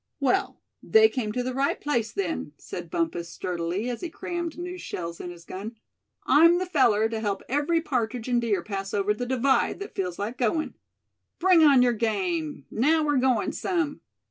"Well, they came to the right place, then," said Bumpus, sturdily, as he crammed new shells in his gun; "I'm the feller to help every partridge and deer pass over the divide, that feels like going. Bring on your game; now we're going some!"